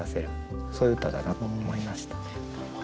そういう歌だなと思いました。